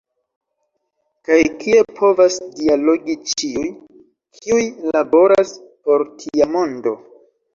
Kaj kie povas dialogi ĉiuj, kiuj laboras por tia mondo.